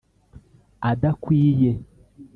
adakwiye